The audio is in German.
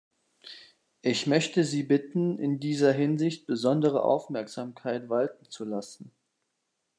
Ich möchte Sie bitten, in dieser Hinsicht besondere Aufmerksamkeit walten zu lassen.